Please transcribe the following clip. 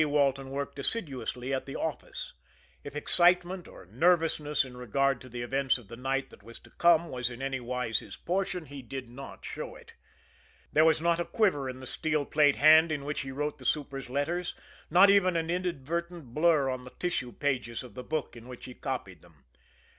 Walton worked assiduously at the office. If excitement or nervousness in regard to the events of the night that was to come was in any wise his portion, he did not show it. There was not a quiver in the steel plate hand in which he wrote the super's letters, not even an inadvertent blur on the tissue pages of the book in which he copied them.